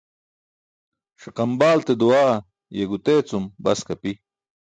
Ṣiqam baalte duwaa ye gutee cum bask api.